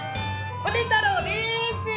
ホネ太郎です！